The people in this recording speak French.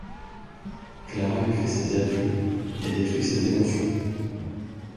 Clara lui fait ses adieux et détruit ses émotions.